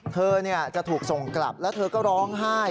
เธอจะถูกส่งกลับแล้วเธอก็ร้องไห้